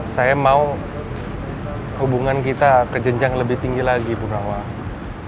saya mau hubungan kita ke jenjang lebih tinggi lagi bung rawan